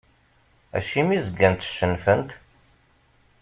Acimi zgant cennfent?